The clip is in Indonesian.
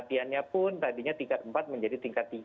dan apapun tadinya tingkat empat menjadi tingkat tiga